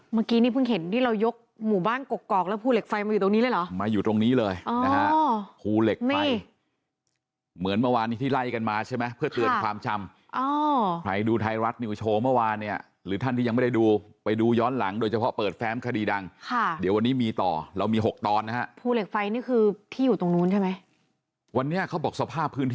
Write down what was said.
สารจังหวัดปุ๊กดาหารในคดีน้องชมพู่